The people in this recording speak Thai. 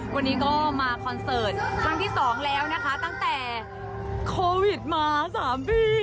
วันนี้ก็มาคอนเสิร์ตครั้งที่สองแล้วนะคะตั้งแต่โควิดมา๓ปี